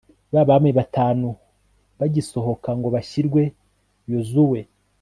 ba bami batanu bagisohoka ngo bashyirwe yozuwe